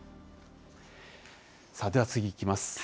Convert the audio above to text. さあ、では次いきます。